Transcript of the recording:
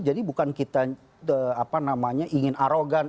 jadi bukan kita ingin arogan